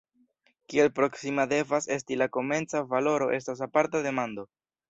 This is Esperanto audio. Kiel proksima devas esti la komenca valoro estas aparta demando.